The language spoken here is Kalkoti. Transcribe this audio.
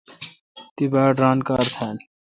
تی باڑ ران کار تھال۔